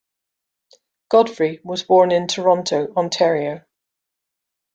Godfrey was born in Toronto, Ontario.